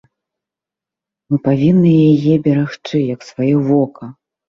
Мы павінны яе берагчы як сваё вока.